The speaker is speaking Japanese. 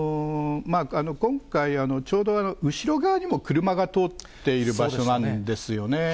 今回、ちょうど後ろ側にも車が通っている場所なんですよね。